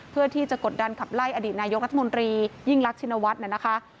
เพื่อที่จะกดดันขับไล่อดีตนายกรัฐมนตรียิ่งรักชินวัฒน์นะคะ